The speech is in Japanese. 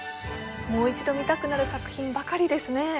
もう一度見たくなる作品ばかりですね